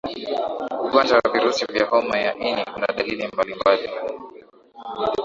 ugonjwa wa virusi vya homa ya ini una dalili mbalimbali